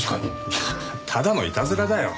いやただのいたずらだよ。